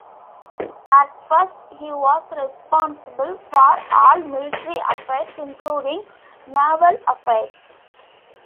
At first, he was responsible for all military affairs, including naval affairs.